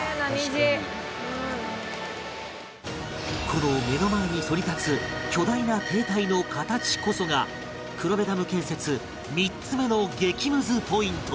この目の前に反り立つ巨大な提体の形こそが黒部ダム建設３つ目の激ムズポイント